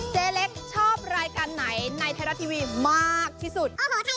เจ๊เล็กชอบรายการไหนในไทยรัฐทีวีมากที่สุด